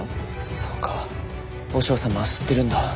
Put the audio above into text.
そうか和尚様は知ってるんだ。